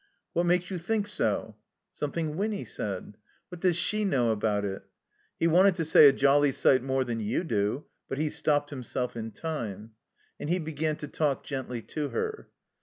"What makes you think so?" "Something Winny said." "What does she know about it?" He wanted to say "A jolly sight more than you do," but he stopped himself in time. He began to talk gently to her.